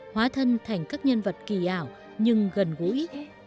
hóa thân thành các nhân vật kỳ ảo nhưng gần gũi